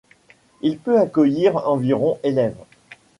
Il peut accueillir environ élèves.